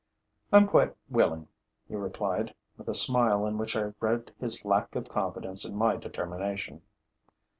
'I'm quite willing,' he replied, with a smile in which I read his lack of confidence in my determination.